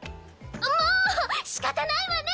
もう仕方ないわね